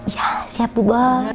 iya siap dulu bos